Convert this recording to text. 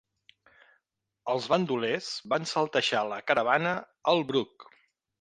Els bandolers van saltejar la caravana al Bruc.